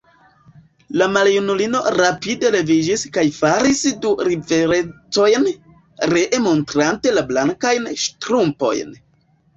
La maljunulino rapide leviĝis kaj faris du riverencojn, ree montrante la blankajn ŝtrumpojn.